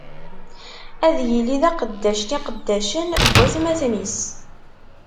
Ad yili d aqeddac n iqeddacen n watmaten-is!